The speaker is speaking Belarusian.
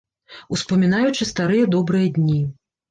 Успамінаючы старыя добрыя дні.